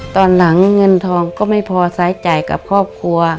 ตอนหลังเงินทองก็ไม่พอใช้จ่ายกับครอบครัว